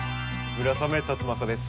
村雨辰剛です。